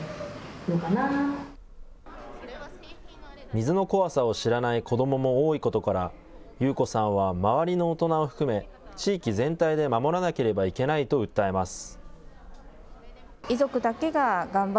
水の怖さを知らない子どもも多いことから、優子さんは周りの大人を含め、地域全体で守らなければいけないと訴えます。